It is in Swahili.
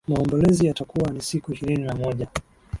Maombolezo yatakuwa ni siku ishirini na moja